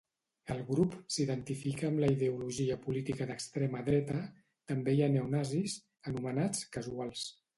El grup s'identifica amb la ideologia política d'extrema dreta, també hi ha neonazis, anomenats Casuals.